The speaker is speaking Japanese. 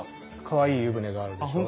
かわいい湯船があるでしょ。